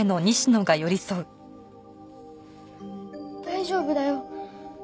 大丈夫だよ。